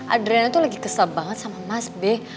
adriana tuh lagi kesel banget sama mas b